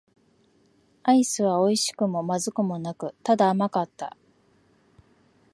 アイスは美味しくも不味くもなく、ただ甘かった。